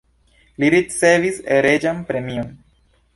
Li ricevis reĝan premion.